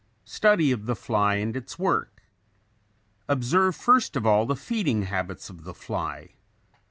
] STUDY OF THE FLY AND ITS WORK Observe first of all the feeding habits of the fly.